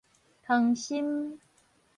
糖心